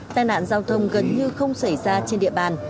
tai nạn giao thông gần như không xảy ra trên địa bàn